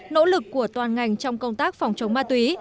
nỗ lực của toàn ngành trong công tác phòng chống ma túy